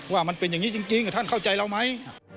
ว่ามันเป็นอย่างนี้จริงท่านเข้าใจเราไหม